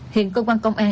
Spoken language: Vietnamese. hiện công an công an